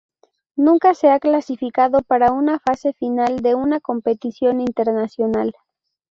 Nunca se ha clasificado para una fase final de una competición internacional.